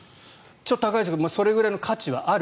高いですがそれぐらいの価値はある。